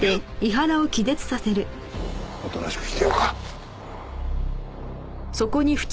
おとなしくしてようか。